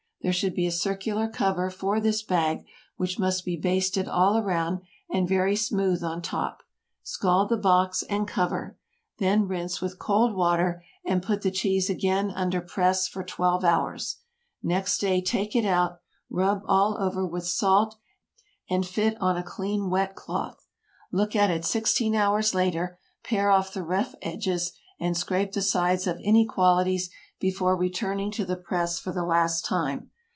There should be a circular cover for this bag, which must be basted all around, and very smooth on top. Scald the box and cover, then rinse with cold water, and put the cheese again under press for twelve hours. Next day, take it out, rub all over with salt, and fit on a clean wet cloth. Look at it sixteen hours later, pare off the rough edges, and scrape the sides of inequalities before returning to the press for the last time.